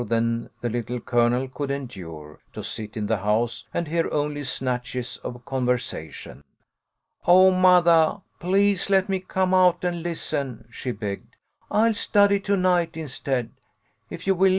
than the Little Colonel could endure, to sit in the house and hear only snatches of conversation. "Oh, mothah, pUase let me come out and listen," she begged. "I'll study to night instead, if you will.